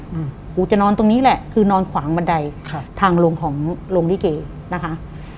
คือกูจะนอนตรงนี้แหละคือนอนขวางบันไดทางโลงดิเกะนะคะ